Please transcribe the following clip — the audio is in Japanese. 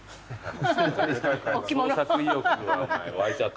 創作意欲が湧いちゃって。